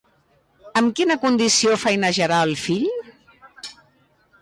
Amb quina condició feinejarà el fill?